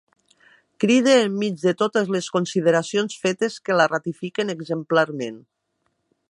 Cride enmig de totes les consideracions fetes que la ratifiquen exemplarment.